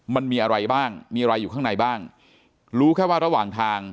มันมีอะไรบ้างมีอะไรอยู่ข้างในบ้างรู้แค่ว่าระหว่างทาง